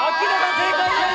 正解です